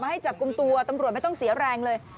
ให้จับกลุ่มตัวตำรวจไม่ต้องเสียแรงเลย